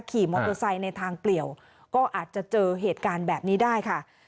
ขี่มอเตอร์ไซค์ในทางเปลี่ยวก็อาจจะเจอเหตุการณ์แบบนี้ได้ค่ะ